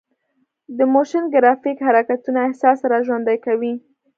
د موشن ګرافیک حرکتونه احساس راژوندي کوي.